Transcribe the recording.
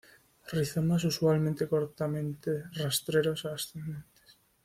Rizomas usualmente cortamente rastreros a ascendentes.